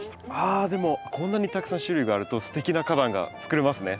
あでもこんなにたくさん種類があるとすてきな花壇がつくれますね。